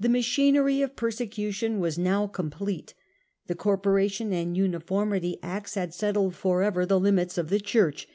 The machinery of persecution was now complete. The Corporation and Uniformity Acts had settled for ever the limits of the Church.